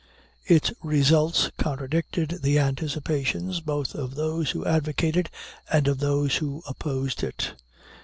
Its results contradicted the anticipations both of those who advocated and of those who opposed it.